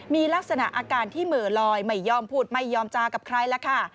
มีลักษณะอาการที่เหม่อลอยไม่ยอมพูดไม่ยอมจากับใครแล้วค่ะ